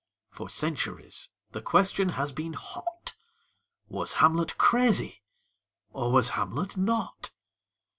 For centuries the question has been hot: Was Hamlet crazy, or was Hamlet not?